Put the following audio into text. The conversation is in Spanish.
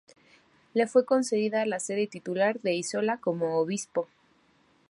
Le fue concedida la sede titular de Isola como Obispo.